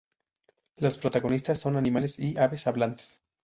Los protagonistas son todos animales y aves hablantes.